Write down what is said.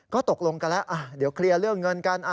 ก็ตกลงกันแล้วเดี๋ยวเคลียร์เรื่องเงินกัน